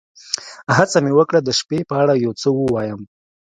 هڅه مې وکړه د شپې په اړه یو څه ووایم.